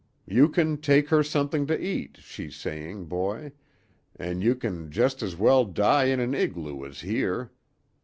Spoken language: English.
You can take her something to eat,' she's saying, boy, `an' you can just as well die in an igloo as here.